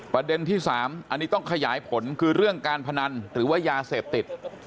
ประเด็นที่๓อันนี้ต้องขยายผลคือเรื่องการพนันหรือว่ายาเสพติด